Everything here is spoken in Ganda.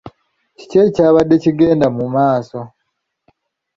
Kiki ekyabadde kigenda mu maaso?